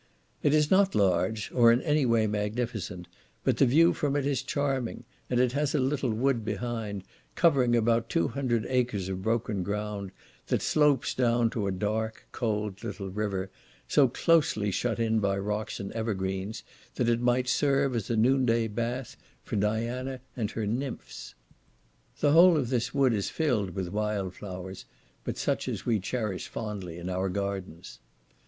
It is not large, or in any way magnificent, but the view from it is charming; and it has a little wood behind, covering about two hundred acres of broken ground, that slopes down to a dark cold little river, so closely shut in by rocks and evergreens, that it might serve as a noon day bath for Diana and her nymphs. The whole of this wood is filled with wild flowers, but such as we cherish fondly in our gardens.